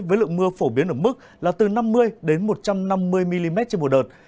với lượng mưa phổ biến ở mức là từ năm mươi một trăm năm mươi mm trên một đợt